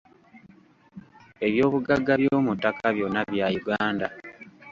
Ebyobugagga byomuttakka byonna bya Uganda.